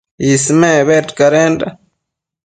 Ismec bedcadenda